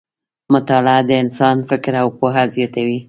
مطالعه د انسان فکر او پوهه زیاتوي.